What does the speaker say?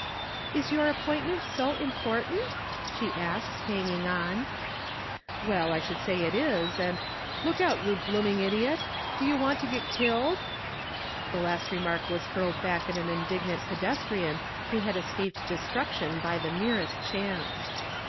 "Is your appointment so important?" she asked, hanging on. "Well, I should say it is, and look out you blooming idiot! Do you want to get killed?" The last remark was hurled back at an indignant pedestrian who had escaped destruction by the merest chance.